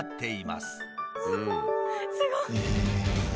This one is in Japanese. すごい。